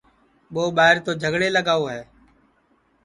یو ٻائیر تو جھگڑے لگاؤ ہے